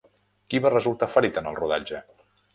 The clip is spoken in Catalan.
Qui va resultar ferit en el rodatge?